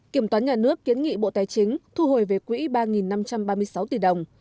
kiểm toán nhà nước kiến nghị bộ tài chính thu hồi về quỹ ba năm trăm ba mươi sáu tỷ đồng